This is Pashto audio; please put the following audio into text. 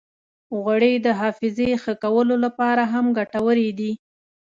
غوړې د حافظې ښه کولو لپاره هم ګټورې دي.